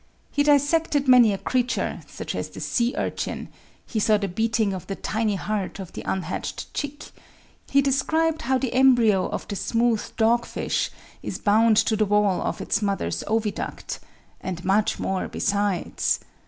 He dissected many a creature, such as the sea urchin ; he saw the beating of the tiny heart of the unhatched chick; he described how the embryo of the smooth dogfish is bound to the wall of its paother's oviduct, and much more besides.